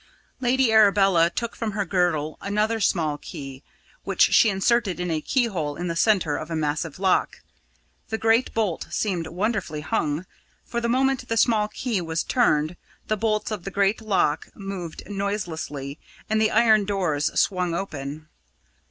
Lady Arabella took from her girdle another small key, which she inserted in a keyhole in the centre of a massive lock. The great bolt seemed wonderfully hung, for the moment the small key was turned, the bolts of the great lock moved noiselessly and the iron doors swung open.